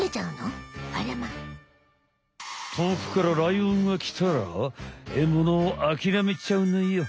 遠くからライオンが来たらえものをあきらめちゃうのよ！